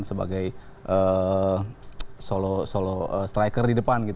sebagai solo striker di depan